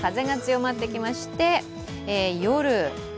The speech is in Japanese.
だんだんと風が強まってきまして、夜？